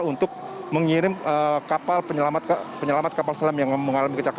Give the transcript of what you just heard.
untuk mengirim kapal penyelamat kapal selam yang mengalami kecelakaan